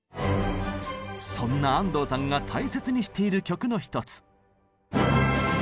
そんな安藤さんが大切にしている曲の一つ。